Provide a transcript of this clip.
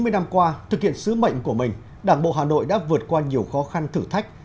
chín mươi năm qua thực hiện sứ mệnh của mình đảng bộ hà nội đã vượt qua nhiều khó khăn thử thách